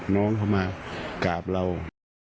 น้องมาการราบล้อ